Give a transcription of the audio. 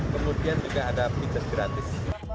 kemudian juga ada pijas gratis